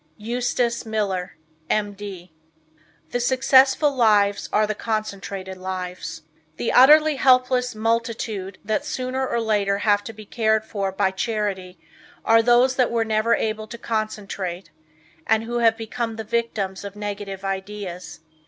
Eustace Miller, M. D. The Successful Lives Are the Concentrated Lives. The utterly helpless multitude that sooner or later have to be cared for by charity, are those that were never able to concentrate, and who have become the victims of negative ideas.